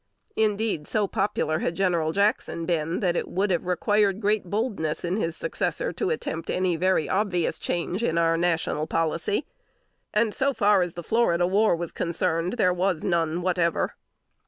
Indeed so popular had General Jackson been, that it would have required great boldness in his successor to attempt any very obvious change in our national policy; and so far as the Florida war was concerned, there was none whatever.